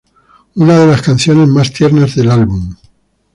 Una de las canciones más tiernas del álbum.